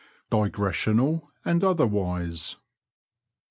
DiGRESSIONAL AND OTHERWISE.